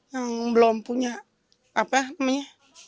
yang belum punya apa namanya